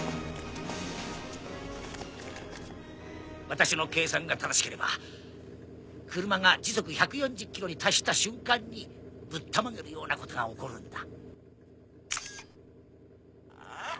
私の計算が正しければ車が時速１４０ｋｍに達した瞬間にぶったまげるようなことが起こるんだ。